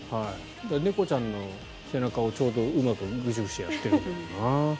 猫ちゃんの背中をちょうどうまくグシグシやってるのかな。